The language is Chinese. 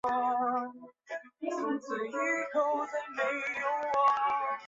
此赋主张言论自由及公义。